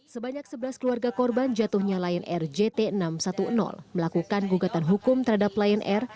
sebanyak sebelas keluarga korban jatuhnya lion air jt enam ratus sepuluh melakukan gugatan hukum terhadap lion air